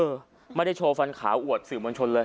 เออไม่ได้โชว์ฟันขาวอวดสื่อมวลชนเลย